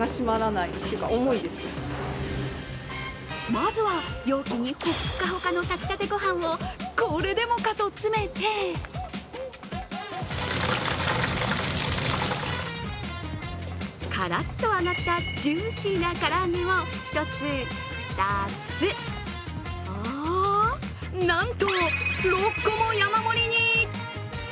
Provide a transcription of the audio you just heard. まずは容器にほっかほかの炊きたてごはんをこれでもかと詰めてカラッと上がったジューシーな唐揚げを１つ、２つあー、なんと６個も山盛りに。